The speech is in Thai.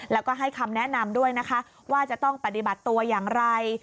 แล้วก็ให้คำแนะนำด้วยนะคะว่าจะต้องปฏิบัติตัวอย่างไร